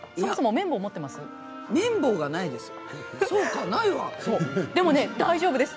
麺棒がないです。